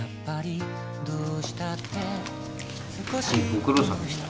ご苦労さんでした。